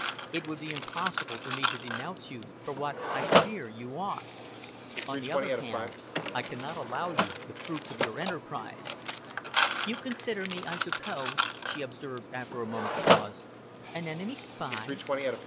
It would be impossible for me to denounce you for what I fear you are. On the other hand, I cannot allow you the fruits of your enterprise." "You consider me, I suppose," she observed after a moment's pause, "an enemy spy?"